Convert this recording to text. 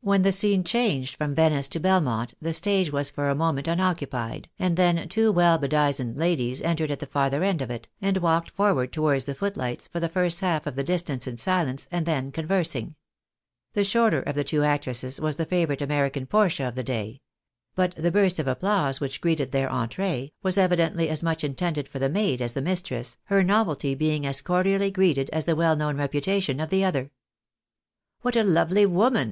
When the scene changed from Venice to Belmont, the stage was for a moment unoccupied and then two well bedizened ladies entered at the farther end of it, and walked forward towards the foothghts, for the first half of the distance in silence, and then con 252 THE i;Ar.i;Ai;'JS lu A!.:i:KicA. versing. The shorter of tlie two actresses was the favourite American Portia of the day ; but the burst of applause which greeted their entree, was evidently as much intended for the maid as the mistress, her novelty being as cordially greeted as the well known reputation of the other. " What a lovely woman